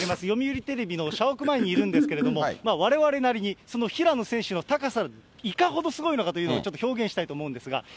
読売テレビの社屋前にいるんですけれども、われわれなりに、その平野選手の高さ、いかほどすごいのかというのをちょっと表現したいと思うんですが。